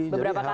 beberapa kali ya